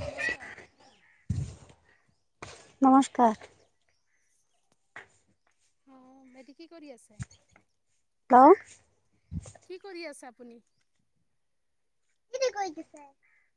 নমস্কাৰ। নমস্কাৰ। অ', বাইদেউ কি কৰি আছে? হেল্ল'? কি কৰি আছে আপুনি?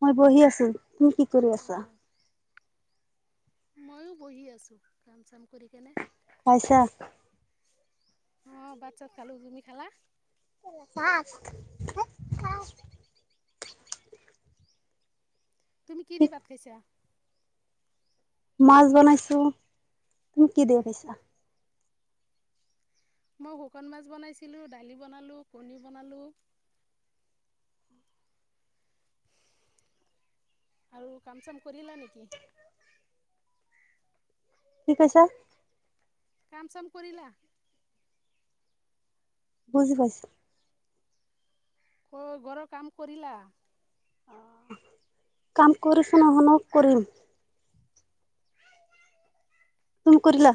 মই বহি আছো, তুমি কি কৰি আছা? [inaudible] ময়ো বহি আছোঁ কাম-চাম কৰি কেনে। পাইছা? অ', ভাত-চাত খালো, তুমি খালা? [unintelligible] তুমি কি দি ভাত খাইছা? মাছ বনাইছো, তুমি কি দি খাইছা? মই শুকান মাছ বনাইছিলোঁ, দালি বনালোঁ, কণী বনালোঁ আৰু কাম-চাম কৰিলা নেকি? কি কৈছা? কাম-চাম কৰিলা? বুজি পাইছো। অ', ঘৰৰ কাম কৰিলা? কাম কৰিছো নহুনো কৰিম। তুমি কৰিলা?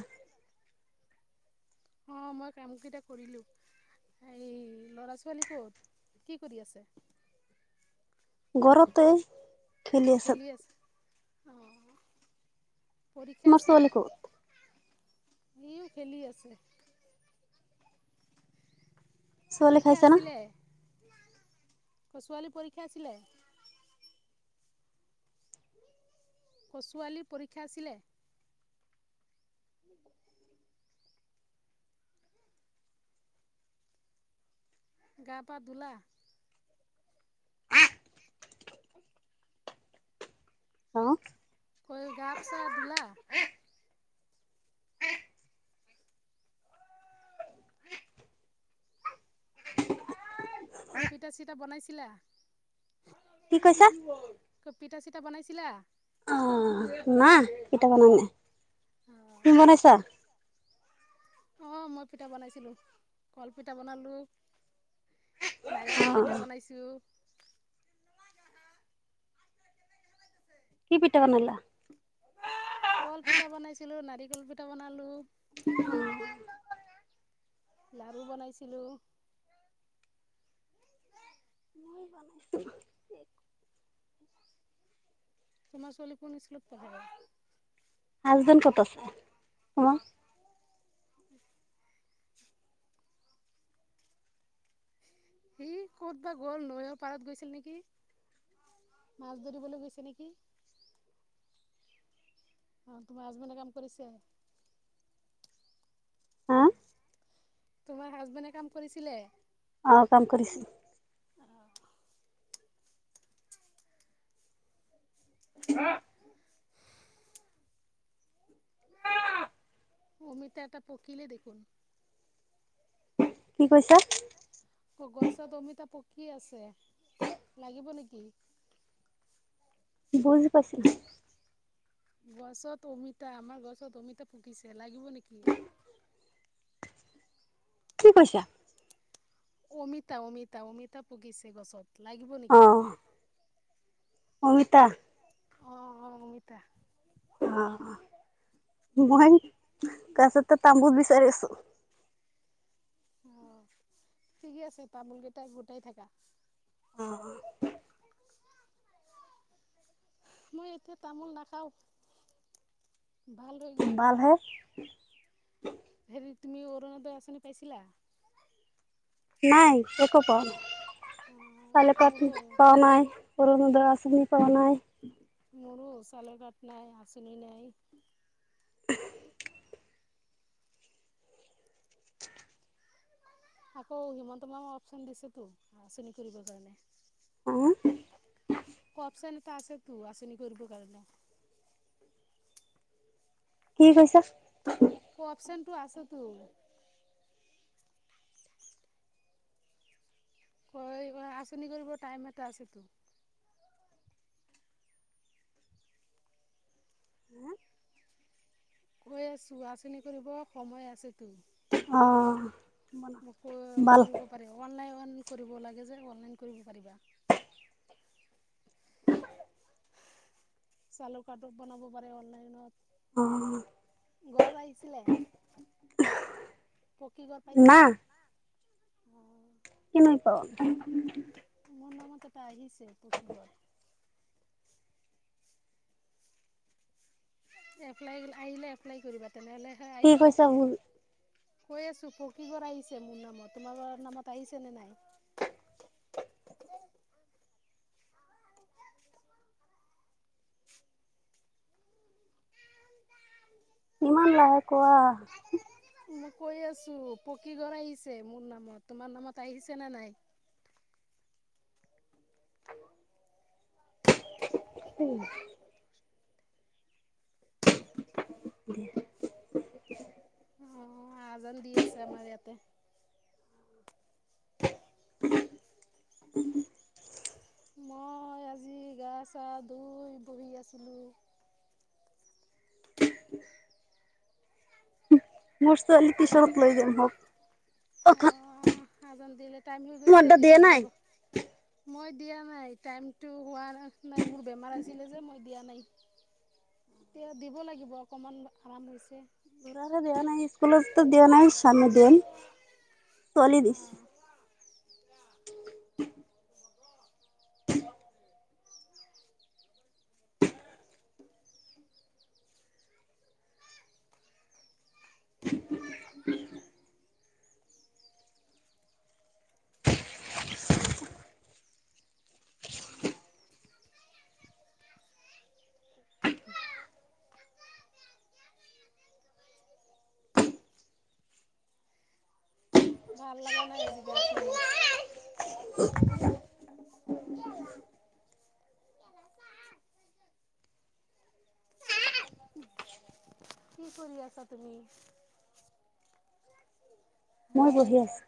অ', মই কাম কেইটা কৰিলো। এই ল'ৰা-ছোৱালী ক'ত? কি কৰি আছে? ঘৰতে। খেলি আছে, অ', পৰীক্ষা তোমাৰ আছিল? ছোৱালী ক'ত সিও খেলি আছে। ছোৱালী পৰীক্ষা খাইছা আছিলে, না ছোৱালী পৰীক্ষা আছিলে? ক ছোৱালীৰ পৰীক্ষা আছিলে? গা পা ধুলা? উম। [unintelligible] গাপ চা ধুলা? পিতা-চিটা বনাইছিলা? কি কৈছা? পিঠা-চিঠা বনাইছিলা? নাই পিঠা বনোৱা নাই। তুমি বনাইছা? অ', মই পিঠা বনাইছিলোঁ, কলপিঠা বনালোঁ। নাৰিকল পিঠা অ বনাইছো। কি পিঠা বনালা? কলপিঠা বনাইছিলোঁ, নাৰিকল পিঠা বনালোঁ। লাৰু বনাইছিলোঁ। মই বনাইছো। তোমাৰ ছোৱালী কোন স্কুলত পঢ়ে? হাজবেণ্ড ক'ত আছে? উম। [unintelligible] সি ক'ত বা গ'ল, নৈ পাৰত গৈছিল নেকি। মাছ ধৰিবলৈ গৈছে নেকি! অ', তোমাৰ হাজবেণ্ডে কাম কৰিছে? হা তোমাৰ হাজবেণ্ডে কাম কৰিছিলে? অঁ, কাম কৰিছে। অহ। হা। অমিতা এটা পকিল দেখোন। কি কৈছা? গছত অমিতা পকি আছে, লাগিব নেকি? বুজি পাইছো। গছত অমিতা, আমাৰ গছত অমিতা পুকিছে, লাগিব নেকি? কি কৈছা? অমিতা-অমিতা- অমিতা পকিছে গছত। লাগিব অ নেকি? অমিতা। অঁ, অ, অমিতা। অ, মই গছত তামোল বিচাৰি আছোঁ। অ, ঠিকে আছে, তামোল কেইটাই গোটাই থাকা। অ। মই এতিয়া তামোল নাখাওঁ, ভাল হৈ গৈছো। উম। হেৰি তুমি অৰুণোদয় আঁচনি পাইছিলা? নাই একো পোৱা নাই। অঁ, চালি পাট মোৰো পোৱা নাই, অৰুনোদয় আঁচনি পোৱা নাই। মোৰো চালৰ কাত নাই, আঁচনি নাই। [inaudible] আকৌ হিমন্ত মামা অপচন দিছেতো আঁচনি কৰিবৰ হা কাৰণে। অপচন এটা আছে তো, আচনি কৰিব কাৰণে। কি কৈছা? অ, অপচনটো আছটো। হয় আঁচনি কৰিব টাইম এটা আছেতো। কৈ আছোঁ, আঁচনি কৰিব সময় আছেতো। অ [unintelligible] মোকো বাল কৰিব পাৰে, অনলাইন কৰিব লাগে যে অনলাইন কৰিব পাৰিবা। চালু কাৰটো বনাব পাৰে অনলাইনত। অ। ঘৰত আহিছিলে? পকী ঘৰ না পাইছিলা? আহ। কিনেই পাও। মোৰ নামত এটা আহিছে পকী ঘৰ। এপ্লাই আহিলে, এপ্লাই কৰিবা তেনেহলেহে কি আহিব। কৈছা বুল কৈ আছোঁ, পকি ঘৰ আহিছে মোৰ নামত তোমাৰ লোকৰ নামত আহিছেনে নাই? ইমান লাহে কোৱা। মই কৈ আছোঁ। পকী ঘৰ আহিছে মোৰ নামত তোমাৰ নামত আহিছে নে নাই? উম। [unintelligible] অঁ আজান দি আছে আমাৰ ইয়াতে। [unintelligible] মই আজি গা চা ধুই বহি আছিলো [unintelligible] অ অথন আজান দিলে টাইম হৈ গৈছে মোৰতো দিয়া টিউচনত নাই যাব মই দিয়া নাই টাইমটো হোৱাৰ নাই মোৰ বেমাৰ আছিলে যে মই দিয়া নাই এতিয়া দিব লাগিব অকণমান আৰাম হৈছে ঘূৰাই দিয়া নাই স্কুলতো দিয়া নাই চামে দিম চোৱালী দিছ অঁ [unintelligible] ভাল লগা নাই আজি গাটো মোৰ কি কৰি আছা তুমি মই বহি আছো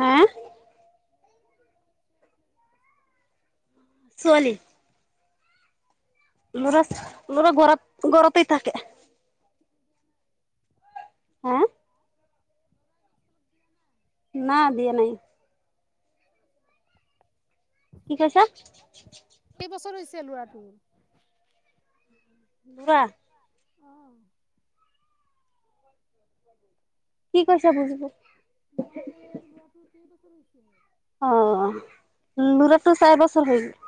হা ছোৱালী ল'ৰা ল'ৰা ঘৰত ঘৰতেই থাকে হা না দিয়া নাই কি কৈছা কেইবছৰ হৈছে লৰাটো ৱাহ অঁ কি কৈছা বুজি পোৱা মই কৈ আছো লৰাটো কেইবছৰ হৈছে অ অ লৰাটো চাৰি বছৰ হৈ গল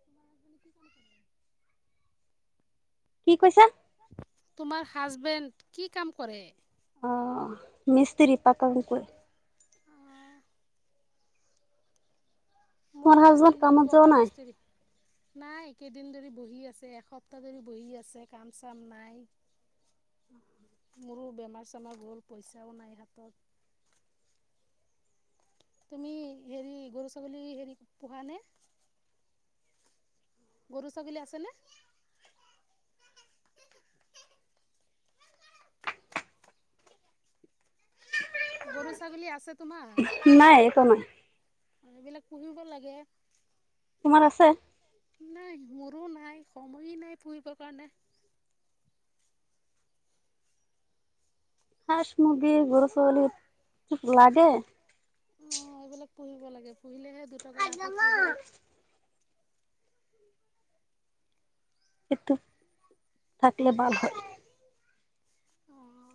[unintelligible] কি কৈছা তোমাৰ হাজবেণ্ড কি কাম কৰে অ মিস্ত্ৰী পাকা কাম কৰে অঁ মোৰ তোমাৰ হাজবেণ্ড কামত যোৱা পকা নাই মিস্ত্ৰী নাই এইকেইদিন ধৰি বহি আছে, এসপ্তাহ ধৰি বহি আছে, কাম চাম নাই। মোৰো বেমাৰ চেমাৰ গ'ল, পইচাও নাই হাতত। তুমি হেৰি গৰু ছাগলী হেৰি পোহানে গৰু-ছাগলী আছেনে গৰু-ছাগলী আছে তোমাৰ নাই, একো নাই। অ সেইবিলাক পুহিব লাগে। তোমাৰ আছে। নাই, মোৰো নাই। সময়েই নাই পুহিবৰ কাৰণে। হাঁহ-মুৰ্গী, গৰু-ছাগলী লাগে। অ এইবিলাক পুহিব লাগে। পুহিলেহে দুটকা হাতত হ'ব। এইটো থাকিলে ভাল হয়। অঁ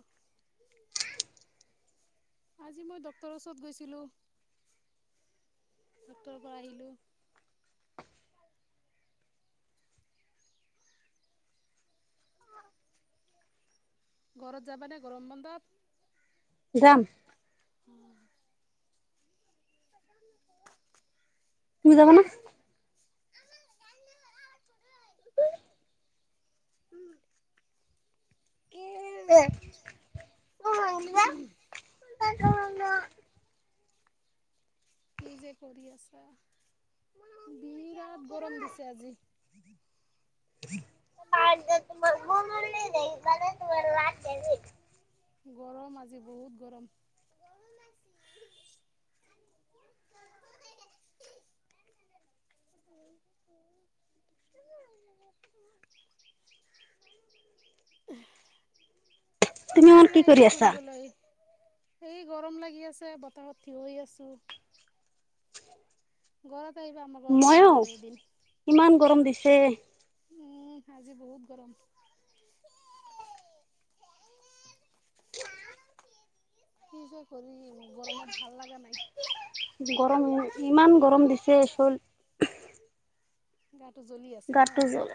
আজি মই ডক্তৰৰ ওচৰত গৈছিলোঁ। ডক্তৰৰ পৰা আহিলোঁ। ঘৰত যাবানে গৰম বন্ধত যাম। যাম উম [unintelligible] তুমি যাবানে উম তে মোৰ ভাত কেইটা। কি যে কৰি আছা। বিৰাট গৰম দিছে আজি। [unintelligible] গৰম আজি বহুত গৰম। [unintelligible] তুমি আমাৰ ইমান কি ঘৰলে কৰি আহিবা আছা ফুৰিবলৈ। সেই গৰম লাগি আছে, বতাহত থিয়হি আছোঁ। ঘৰত আহিবা, আমাৰ ঘৰত মইও ফুৰিবলৈ এদিন। ইমান গৰম দিছে উঁম আজি বহুত গৰম। কি যে কৰিম, গৰমত ভাল লগা নাই। গৰম, ইমান গৰম দিছে এইচোন গাটো জ্বলি আছে ন! গাটো জ্বলে।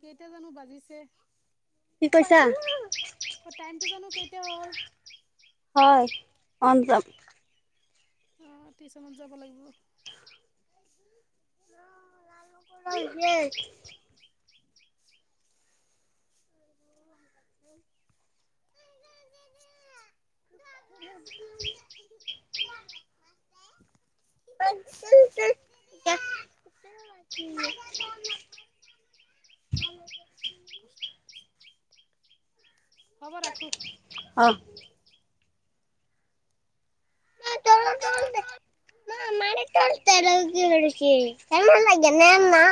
কেইটা জানোঁ বাজিছে? কি কৈছাঁ? অঁ টাইম টো জানোঁ, কেইটা হ'ল। হয়ঁ, অন্তৰাম। টিউচনত যাব লাগিব। ক, এতিয়াই। [unintelligible] [unintelligible] হ'ব ৰাখোঁ। অঁ! তাৰে তাৰ- না মাৰেতোৰ তেৰেকি, চি তেনে লাগে লাগে নে মা।